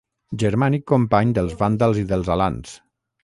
Germànic company dels vàndals i dels alans.